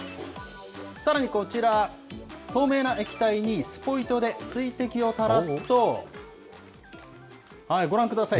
さらにこちら、透明な液体にスポイトで水滴を垂らすと、ご覧ください。